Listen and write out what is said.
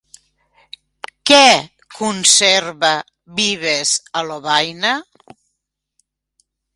Què conserva Vives a Lovaina?